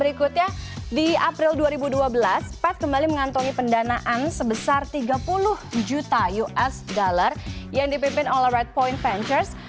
berikutnya di april dua ribu dua belas path kembali mengantongi pendanaan sebesar tiga puluh juta usd yang dipimpin oleh red point ventures